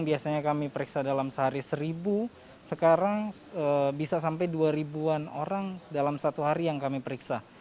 biasanya kami periksa dalam sehari seribu sekarang bisa sampai dua ribuan orang dalam satu hari yang kami periksa